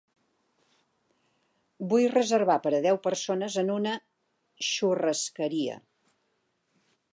Vull reservar per a deu persones en una churrascaria.